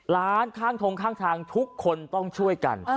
ร้านข้างทงข้างทางทุกคนต้องช่วยกัน